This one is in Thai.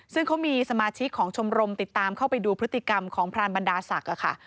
ซึ่งเขามีสมาชิกของชมรมติดตามเข้าไปดูพฤติกรรมของพรานบรรดาศักดิ์ค่ะ